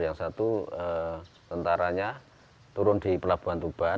yang satu tentaranya turun di pelabuhan tuban